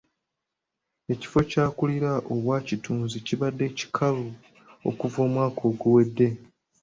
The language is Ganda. Ekifo ky'akulira obwakitunzi kibadde kikalu okuva omwaka oguwedde.